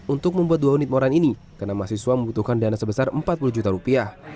untuk membuat dua unit moran ini karena mahasiswa membutuhkan dana sebesar empat puluh juta rupiah